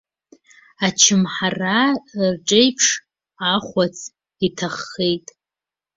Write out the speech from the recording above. Ачамҳараа рҽеиԥш, ахәац иҭаххеит.